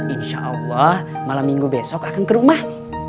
insya allah malam minggu besok akan ke rumah